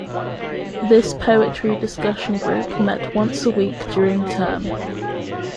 This poetry discussion group met once a week during term.